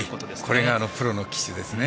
これがプロの騎手ですね。